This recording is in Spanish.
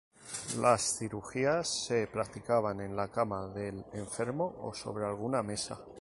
Las cirugías se practicaban en la cama del enfermo o sobre alguna mesa.